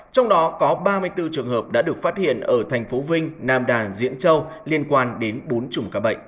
trong đó có ba mươi bốn trường hợp đã được phát hiện ở thành phố vinh nam đàn diễn châu liên quan đến bốn chủng ca bệnh